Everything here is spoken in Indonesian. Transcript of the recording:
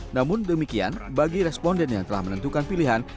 namun demikian bagi responden yang telah menentukan pilihan